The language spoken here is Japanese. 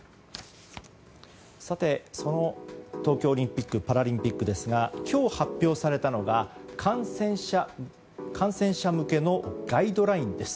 さて、その東京オリンピック・パラリンピックですが今日、発表されたのが観戦者向けのガイドラインです。